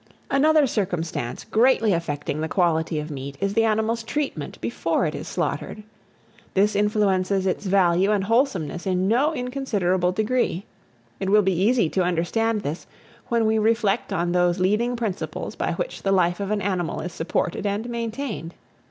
ANOTHER CIRCUMSTANCE GREATLY AFFECTING THE QUALITY OF MEAT, is the animal's treatment before it is slaughtered. This influences its value and wholesomeness in no inconsiderable degree. It will be easy to understand this, when we reflect on those leading principles by which the life of an animal is supported and maintained.